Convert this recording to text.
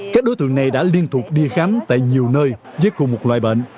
các đối tượng này đã liên tục đi khám tại nhiều nơi dưới cùng một loại bệnh